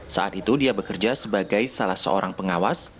saat itu dia bekerja sebagai salah seorang pengawas